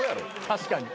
確かに。